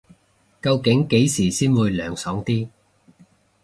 究竟幾時先會涼爽啲